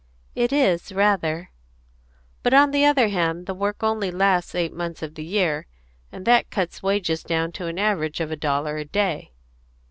"It is, rather." "But, on the other hand, the work only lasts eight months of the year, and that cuts wages down to an average of a dollar a day."